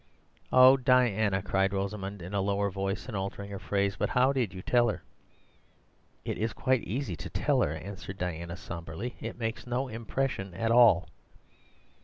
"O Diana," cried Rosamund in a lower voice and altering her phrase; "but how did you tell her?" "It is quite easy to tell her," answered Diana sombrely; "it makes no impression at all."